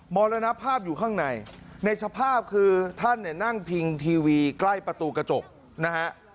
มรณภาพอยู่ข้างในในสภาพคือท่านเนี่ยนั่งพิงทีวีใกล้ประตูกระจกนะฮะ